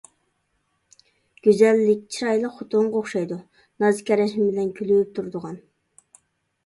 گۈزەللىك چىرايلىق خوتۇنغا ئوخشايدۇ، ناز-كەرەشمە بىلەن كۈلۈپ تۇرىدىغان.